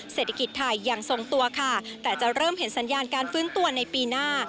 เศรษฐกิจไทยยังทรงตัวค่ะแต่จะเริ่มเห็นสัญญาณการฟื้นตัวในปีหน้า